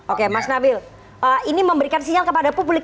oke mas nabil ini memberikan sinyal kepada publik